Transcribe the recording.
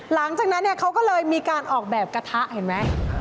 หลังจากนั้นเขาก็เลยมีการออกแบบกระทะเห็นไหม